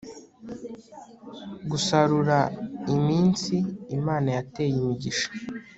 gusarura iminsi imana yateye imigisha